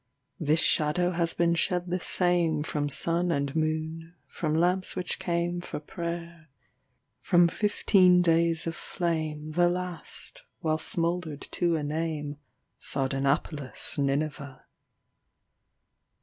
This shadow has been shed the sameFrom sun and moon,—from lamps which cameFor prayer,—from fifteen days of flame, The last, while smouldered to a nameSardanapalus' Nineveh.